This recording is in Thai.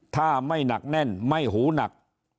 ถ้าไม่หนักแน่นไม่หูหนัก